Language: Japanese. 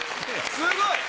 すごい！